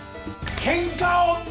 けんか音頭！